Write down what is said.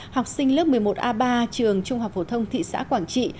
học sinh lớp một mươi một a ba trường trung học phổ thông thị xã quảng trị